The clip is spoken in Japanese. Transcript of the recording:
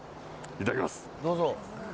いただきます。